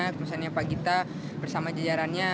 perusahaannya pak gita bersama jajarannya